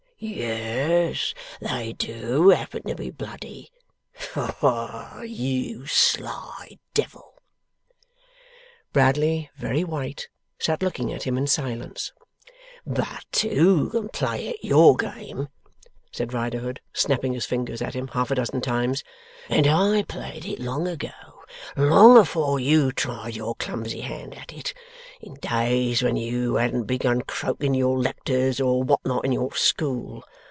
Yes, they do happen to be bloody. Ah, you sly devil!' Bradley, very white, sat looking at him in silence. 'But two could play at your game,' said Riderhood, snapping his fingers at him half a dozen times, 'and I played it long ago; long afore you tried your clumsy hand at it; in days when you hadn't begun croaking your lecters or what not in your school.